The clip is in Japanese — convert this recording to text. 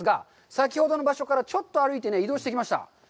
先ほどの場所からちょっと移動してきました。